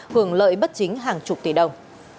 hưởng lợi bất chính hàng chục tỷ đồng